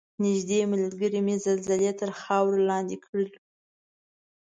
نږدې ملګرې مې زلزلې تر خاورو لاندې کړل.